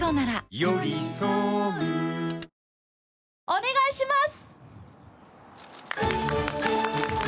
お願いします！